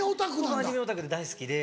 僕アニメオタクで大好きで。